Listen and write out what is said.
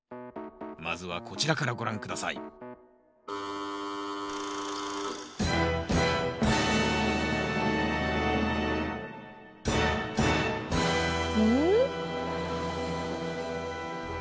まずはこちらからご覧下さいうん？